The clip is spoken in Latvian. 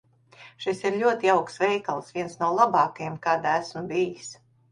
Šis ir ļoti jauks veikals. Viens no labākajiem, kādā esmu bijis.